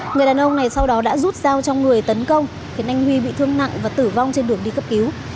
người đàn ông này sau đó đã rút dao trong người tấn công khiến anh huy bị thương nặng và tử vong trên đường đi cấp cứu